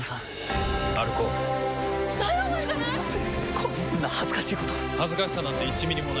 こんな恥ずかしいこと恥ずかしさなんて１ミリもない。